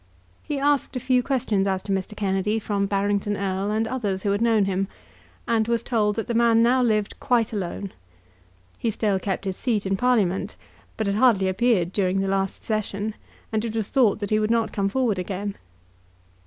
He asked a few questions as to Mr. Kennedy from Barrington Erle and others, who had known him, and was told that the man now lived quite alone. He still kept his seat in Parliament, but had hardly appeared during the last Session, and it was thought that he would not come forward again.